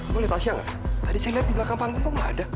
boleh tasha gak tadi saya lihat di belakang panggung kok gak ada